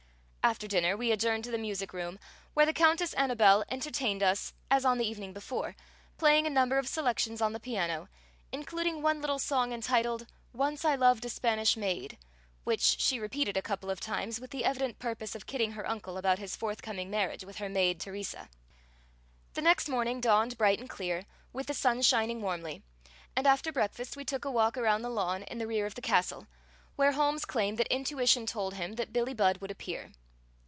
After dinner we adjourned to the music room, where the Countess Annabelle entertained us as on the evening before, playing a number of selections on the piano, including one little song entitled, "Once I Loved A Spanish Maid," which she repeated a couple of times with the evident purpose of kidding her uncle about his forthcoming marriage with her maid Teresa. The next morning dawned bright and clear, with the sun shining warmly, and after breakfast we took a walk around the lawn in the rear of the castle, where Holmes claimed that intuition told him that Billie Budd would appear.